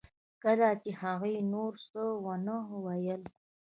کله چې هغې نور څه ونه ویل